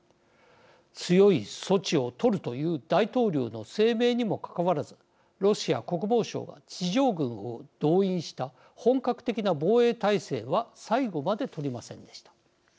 強い措置をとるという大統領の声明にもかかわらずロシア国防省が地上軍を動員した本格的な防衛態勢は最後までとりませんでした。